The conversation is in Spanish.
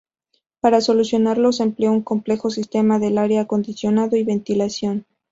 Para solucionarlo se empleó un complejo sistema de aire acondicionado y ventilación.